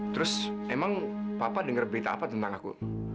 terus emang papa dengar berita apa tentang aku